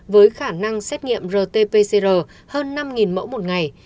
với khả năng xét nghiệm rt pcr hơn năm mẫu một ngày